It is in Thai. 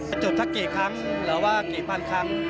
จุดถ้ากี่ครั้งหรือว่ากี่พันครั้ง